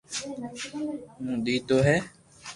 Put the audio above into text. او نينو ھي